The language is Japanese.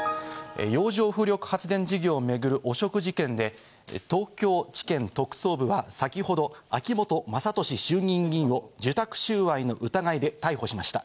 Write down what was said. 洋上風力発電事業を巡る汚職事件で、東京地検特捜部は先ほど秋本真利衆議院議員を受託収賄の疑いで逮捕しました。